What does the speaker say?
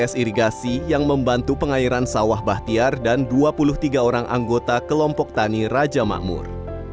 s irigasi yang membantu pengairan sawah bahtiar dan dua puluh tiga orang anggota kelompok tani raja makmur